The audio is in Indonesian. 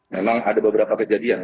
memang ada beberapa kejadian